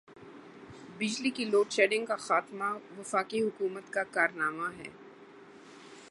بجلی کی load shedding کا خاتمہ وفاقی حکومت کا کارنامہ ہے۔